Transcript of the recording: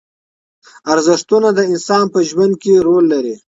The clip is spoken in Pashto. ارزښتونه د انسان په ژوند کې رول لري.